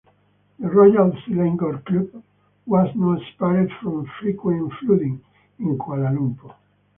The Royal Selangor Club was not spared from frequent flooding in Kuala Lumpur.